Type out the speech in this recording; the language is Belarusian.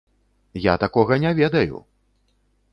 Я такога не ведаю!